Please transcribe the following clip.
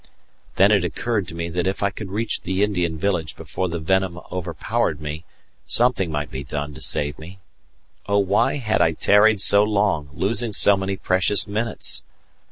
Then it occurred to me that if I could reach the Indian village before the venom overpowered me something might be done to save me. Oh, why had I tarried so long, losing so many precious minutes!